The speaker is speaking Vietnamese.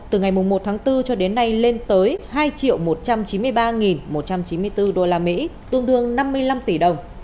từ ngày một tháng bốn cho đến nay lên tới hai một trăm chín mươi ba một trăm chín mươi bốn usd tương đương năm mươi năm tỷ đồng